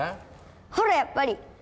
ほらやっぱり！